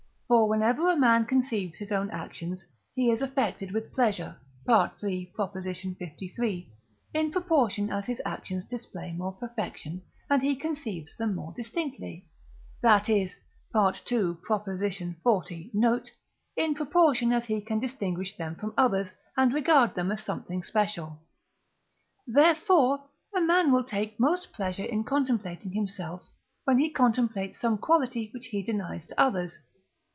For whenever a man conceives his own actions, he is affected with pleasure (III. liii.), in proportion as his actions display more perfection, and he conceives them more distinctly that is (II. xl. note), in proportion as he can distinguish them from others, and regard them as something special. Therefore, a man will take most pleasure in contemplating himself, when he contemplates some quality which he denies to others.